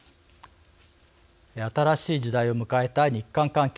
新しい時代を迎えた日韓関係